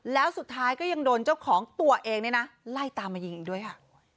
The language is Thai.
แล้วสุดท้ายก็ยังโดนเจ้าของตัวเองเนี่ยนะไล่ตามมายิงอีกด้วยค่ะ